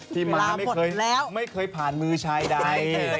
ม้าไม่เคยผ่านมือชายใด